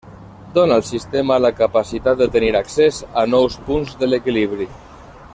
Dóna al sistema la capacitat de tenir accés a nous punts de l'equilibri.